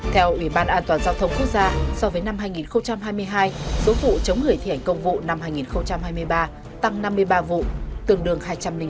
theo ủy ban an toàn giao thông quốc gia so với năm hai nghìn hai mươi hai số vụ chống người thi hành công vụ năm hai nghìn hai mươi ba tăng năm mươi ba vụ tương đương hai trăm linh ba